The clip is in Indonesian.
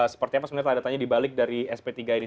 seperti apa sebenarnya tanda tanya dibalik dari sp tiga ini